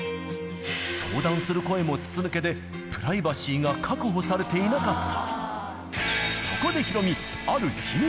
相談する声も筒抜けで、プライバシーが確保されていなかった。